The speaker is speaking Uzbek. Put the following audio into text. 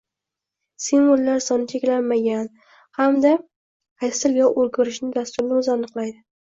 Simvollar soni cheklanmangan, hamda qaysi tilga o’girishni dasturni o’zi aniqlaydi.